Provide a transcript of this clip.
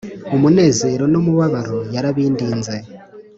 Umunezero n’umubabaro yarabindinze